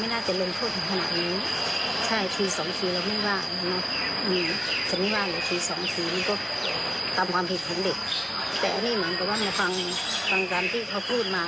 แต่อันนี้เหมือนกับว่ามาฟังตามที่เขาพูดมา